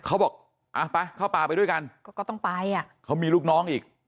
เขาบอกอ่ะไปเข้าป่าไปด้วยกันก็ก็ต้องไปอ่ะเขามีลูกน้องอีก